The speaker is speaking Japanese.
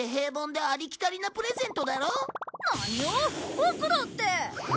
ボクだって！